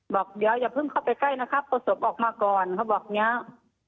บอกเดี๋ยวอย่าเพิ่งเข้าไปใกล้นะครับเอาศพออกมาก่อนเขาบอกอย่างนี้